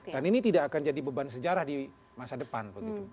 dan ini tidak akan jadi beban sejarah di masa depan